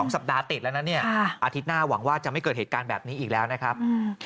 สัปดาห์ติดแล้วนะเนี่ยอาทิตย์หน้าหวังว่าจะไม่เกิดเหตุการณ์แบบนี้อีกแล้วนะครับ